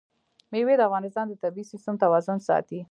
مېوې د افغانستان د طبعي سیسټم توازن ساتي.